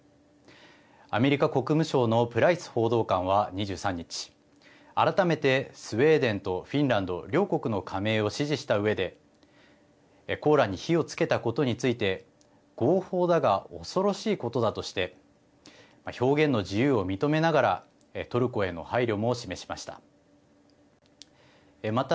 アメリカ国務省のプライス報道官は２３日改めてスウェーデンとフィンランド両国の加盟を支持したうえでコーランに火をつけたことについて合法だが恐ろしいことだとして表現の自由を認めながらトルコへの配慮も示しました。